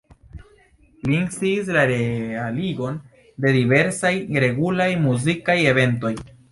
Li instigis la realigon de diversaj regulaj muzikaj eventoj.